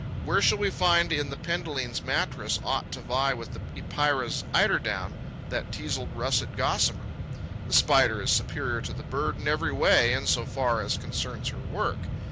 Where shall we find in the Penduline's mattress aught to vie with the Epeira's eiderdown, that teazled russet gossamer? The Spider is superior to the bird in every way, in so far as concerns her work.